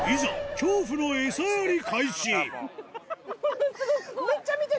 恐怖の餌やり開始もの